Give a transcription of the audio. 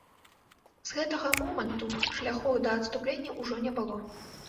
З гэтага моманту шляхоў да адступлення ўжо не было.